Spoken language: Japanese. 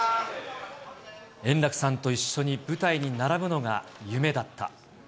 圓楽さんと一緒に舞台に並ぶのが夢だった。